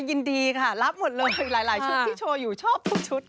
ยินดีค่ะรับหมดเลยหลายชุดที่โชว์อยู่ชอบทุกชุด